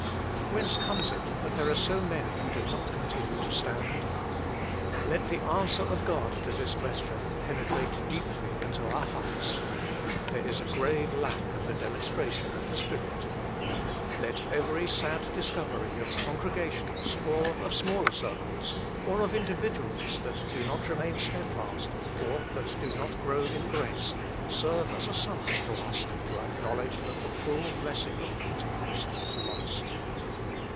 Whence comes it that there are so many who do not continue to stand ? Let the answer of God to this question penetrate deeply into HOW LITTLE IT IS ENJOYED 57 our hearts. There is a grave lack of the demonstration of the Spirit. Let every sad discovery of congregations, or of smaller circles, or of individuals that do not remain steadfast, or that do not grow in grace, serve as a summons to us to acknowledge that the full blessing of Pentecost is lost.